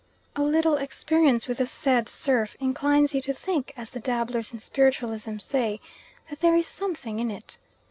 A little experience with the said surf inclines you to think, as the dabblers in spiritualism say "that there is something in it."